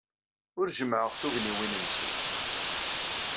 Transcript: Ur jemmɛeɣ tugniwin-nsent.